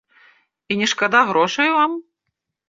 І не шкада грошай вам?